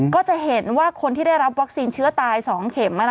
ก็จะเห็นว่าคนที่ได้รับวัคซีนเชื้อตาย๒เข็ม